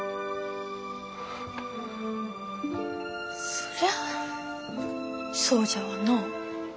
そりゃあそうじゃわな。